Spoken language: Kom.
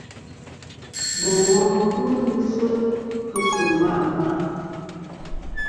Bò wom fu ndzɨsɨ fɨsɨ ma màʼ.